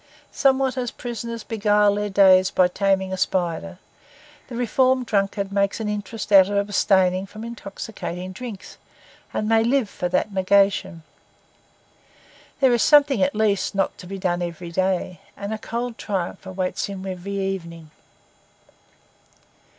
Somewhat as prisoners beguile their days by taming a spider, the reformed drunkard makes an interest out of abstaining from intoxicating drinks, and may live for that negation. There is something, at least, not to be done each day; and a cold triumph awaits him every evening.